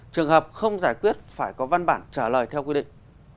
trường hợp không giải quyết phải có văn bản trả lời theo quy định